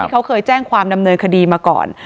เขาเคยแจ้งความดำเนินคดีมาก่อน